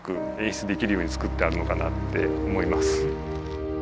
しゅつできるように作ってあるのかなって思います。